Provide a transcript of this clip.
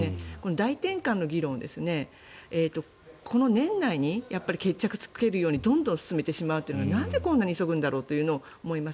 大転換の議論をこの年内に決着をつけるようにどんどん進めてしまうのはなぜこんなに急ぐのだろうと思います。